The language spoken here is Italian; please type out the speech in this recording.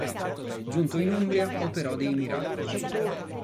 Giunto in Umbria, operò dei miracoli.